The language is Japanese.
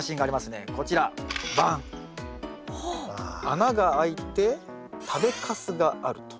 穴が開いて食べかすがあると。